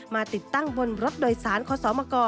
ติดตั้งบนรถโดยสารคศมก